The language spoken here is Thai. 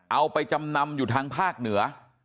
เอาไปจำนำอยู่ทางภาคเหนือ